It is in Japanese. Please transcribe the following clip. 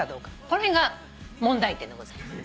この辺が問題点でございます。